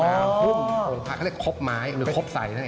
พรุ่งองค์พ่อก็เรียกครบไม้หรือครบใส